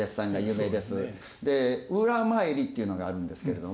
で「裏詣り」っていうのがあるんですけれども。